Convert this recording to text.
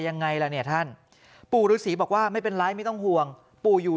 ยังไงล่ะเนี่ยท่านปู่ฤษีบอกว่าไม่เป็นไรไม่ต้องห่วงปู่อยู่